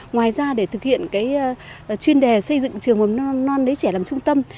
ngoài ra để thực hiện chuyên đề xây dựng trường mầm non lấy trẻ làm trung tâm